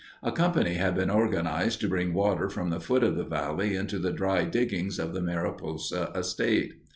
A company had been organized to bring water from the foot of the valley into the dry diggings of the Mariposa estate.